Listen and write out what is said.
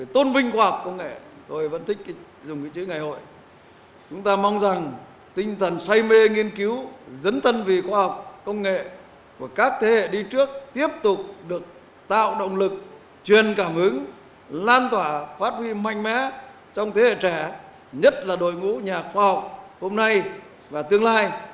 thủ tướng mong rằng tinh thần say mê nghiên cứu dấn thân vì khoa học công nghệ của các thế hệ đi trước tiếp tục được tạo động lực truyền cảm hứng lan tỏa phát huy mạnh mẽ trong thế hệ trẻ nhất là đội ngũ nhà khoa học hôm nay và tương lai